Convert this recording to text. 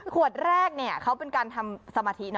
ขวดแรกเขาเป็นการทำสมาธินะ